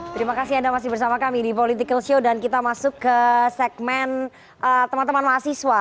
terima kasih anda masih bersama kami di political show dan kita masuk ke segmen teman teman mahasiswa